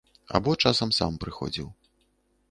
Або часам сам прыходзіў.